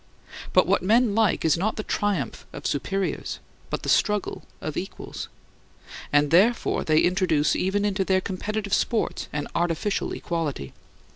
But what men like is not the triumph of superiors, but the struggle of equals; and, therefore, they introduce even into their competitive sports an artificial equality.